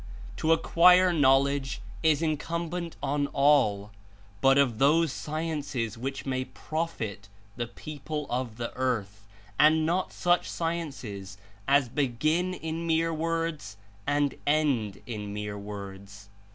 To acquire knowledge is incumbent on all, but of those sciences which may profit the people of the earth, and not such sciences as begin in mere words and end In mere words.